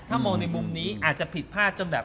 ถ้ามองในมุมนี้อาจจะผิดพลาดจนแบบ